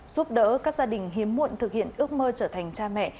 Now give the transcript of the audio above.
giúp đỡ các gia đình hiếm muộn thực hiện ước mơ trở thành cha mẹ